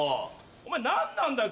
お前何なんだよ！